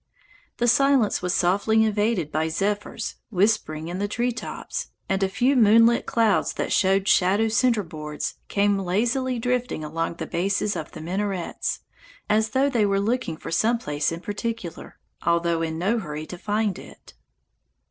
The silence was softly invaded by zephyrs whispering in the treetops, and a few moonlit clouds that showed shadow centre boards came lazily drifting along the bases of the minarets, as though they were looking for some place in particular, although in no hurry to find it.